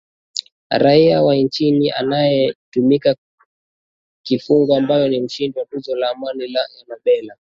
raia wa china anayetumikia kifungo ambaye ni mshindi wa tuzo ya amani ya nobel